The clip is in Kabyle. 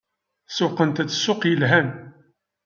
Sewwqent-d ssuq yelhan.